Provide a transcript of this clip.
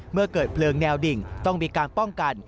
เมื่อเกิดเพลิงแนวดิ่งต้องมีการป้องกัน